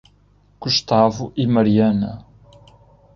Gustavo e Mariana